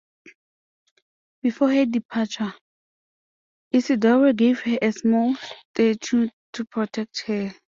Before her departure, Isidoro gave her a small statue to protect her.